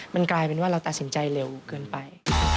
มันกลายเป็นว่าเราตัดสินใจเร็วเกินไป